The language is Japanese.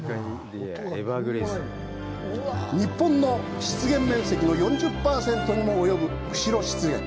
日本の湿原面積の４０％にも及ぶ釧路湿原。